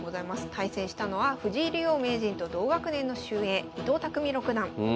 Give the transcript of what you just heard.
対戦したのは藤井竜王・名人と同学年の俊英伊藤匠六段。